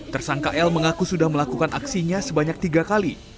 tersangka l mengaku sudah melakukan aksinya sebanyak tiga kali